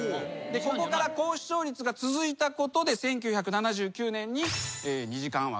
ここから高視聴率が続いたことで１９７９年に。